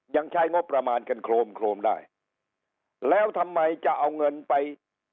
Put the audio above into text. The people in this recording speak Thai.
ยังใช้งบประมาณกันโครมโครมได้แล้วทำไมจะเอาเงินไป